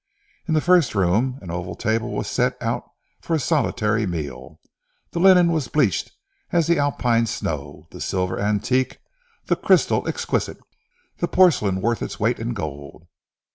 In the first room, an oval table was set out for a solitary meal. The linen was bleached as the Alpine snow, the silver antique, the crystal exquisite, the porcelain worth its weight in gold.